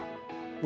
udah ganti tangan